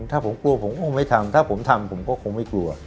ถ้าผมกลัวผมก็คงไม่ทำถ้าผมทำผมก็คงไม่กลัว